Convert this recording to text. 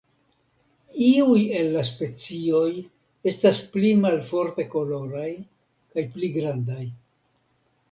Iuj el la specioj estas pli malforte koloraj kaj pli grandaj.